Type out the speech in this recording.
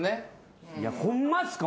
ホンマっすか？